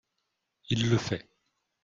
Il le fait